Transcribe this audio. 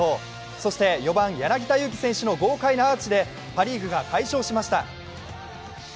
そして４番・柳田悠岐選手の豪快アーチでパ・リーグが快勝しました。